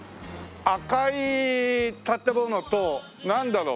赤い建物となんだろう？